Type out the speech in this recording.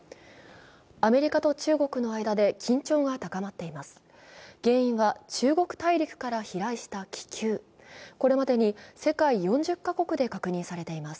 アメリカと中国の間で緊張が高まっています。